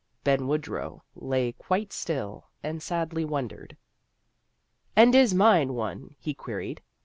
Ben Woodrow lay quite still, and sadly wondered. "And is mine one?" he queried.